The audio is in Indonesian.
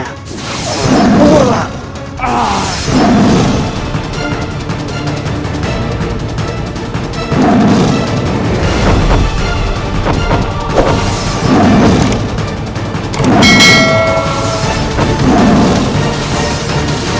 aku sudah menguasai jurus utuhnya